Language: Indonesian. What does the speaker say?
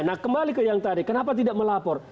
nah kembali ke yang tadi kenapa tidak melapor